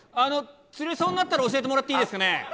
釣れそうになったら、教えてもらっていいですかね？